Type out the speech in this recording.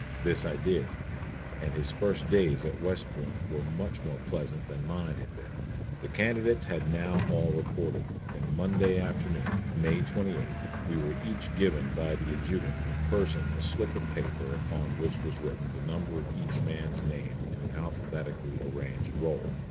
This I did, and his first days at West Point were much more pleasant than mine had been. The candidates had now all reported, and Monday afternoon, May 28th, we were each given by the Adjutant in person a slip of paper upon which was written the number of each man's name in an alphabetically arranged roll.